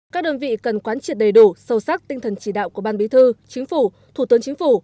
các đơn vị cần quán triệt đầy đủ sâu sắc tinh thần chỉ đạo của ban bí thư chính phủ thủ tướng chính phủ